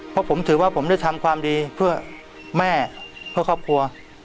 เพราะผมถือว่าผมได้ทำความดีเพื่อแม่เพื่อครอบครัว